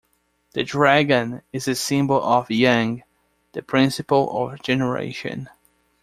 The dragon is a symbol of "yang", the principle of generation.